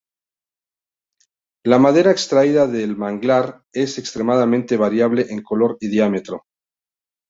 La madera extraída del manglar, es extremadamente variable en color y diámetro.